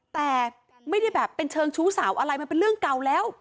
แต่ไม่ได้แบบเป็นเชิงชู้สาวอะไรมันเป็นเรื่องเก่าแล้ว